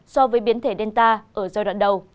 so với biến thể delta ở giai đoạn đầu